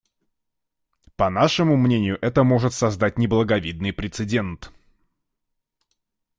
По нашему мнению, это может создать неблаговидный прецедент.